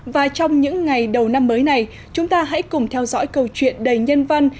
và trong những ngày đầu năm mới này chúng ta hãy cùng theo dõi câu chuyện đầy nhân văn